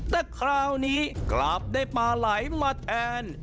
แต่คราวนี้กลับได้ปลาไหลมาแทน